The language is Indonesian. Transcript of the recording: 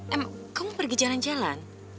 ehm kamu pergi jalan jalan